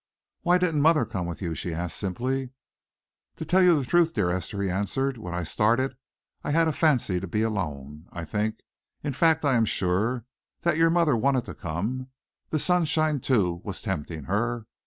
"Why didn't mother come with you?" she asked simply. "To tell you the truth, dear Esther," he answered, "when I started, I had a fancy to be alone. I think in fact I am sure that your mother wanted to come. The sunshine, too, was tempting her.